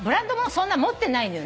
そんな持ってないの。